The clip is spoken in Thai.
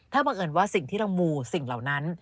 ถ้าบังเอิญว่าสิ่งที่เรามูสิ่งเหล่านั้น